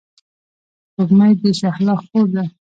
سپوږمۍ د شهلا خور ده.